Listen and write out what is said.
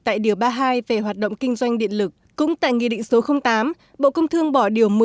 tại điều ba mươi hai về hoạt động kinh doanh điện lực cũng tại nghị định số tám bộ công thương bỏ điều một mươi